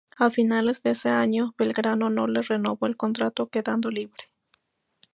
A finales de ese año, Belgrano no le renovó el contrato quedando libre.